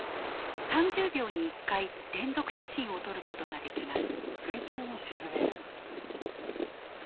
３０秒に１回連続写真を撮ることができます。